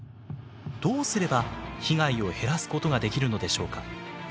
どうすれば被害を減らすことができるのでしょうか。